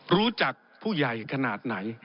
รู้จักผู้ใหญ่กระหน้าไหน